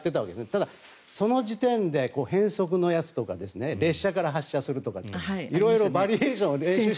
ただ、その時点で変則とか列車から発射するとかバリエーションが。